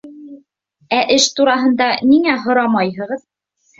— Ә эш тураһында ниңә һорамайһығыҙ?